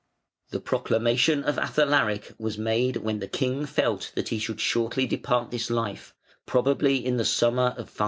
The proclamation of Athalaric was made when the king felt that he should shortly depart this life, probably in the summer of 526.